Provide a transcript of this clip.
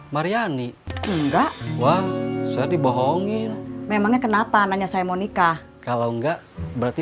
maryani enggak wah saya dibohongin memangnya kenapa nanya saya monika kalau enggak berarti